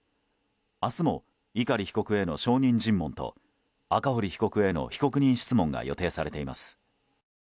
明日も碇被告への証人尋問と赤堀被告への被告人質問が予定されています。